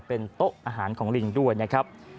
เป็นโต๊ะอาหารของลิงด้วยนะครับ